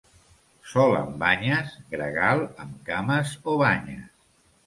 Sol amb banyes, gregal amb cames o banyes.